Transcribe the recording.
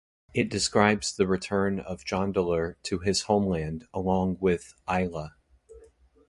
It describes the return of Jondalar to his homeland along with Ayla.